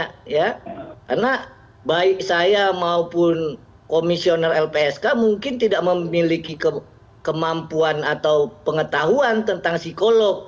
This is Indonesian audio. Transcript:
karena baik saya maupun komisioner lpsk mungkin tidak memiliki kemampuan atau pengetahuan tentang psikolog